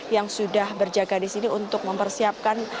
yang sudah berjaga di sini untuk mempersiapkan